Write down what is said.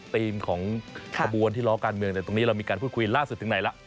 ทีมของขบวนที่ล้อการเมืองตรงนี้เรามีการพูดคุยล่าสุดถึงไหนล่ะ